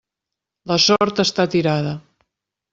La sort està tirada.